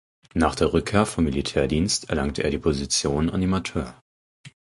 Nach der Rückkehr vom Militärdienst erlangte er die Position Animateur.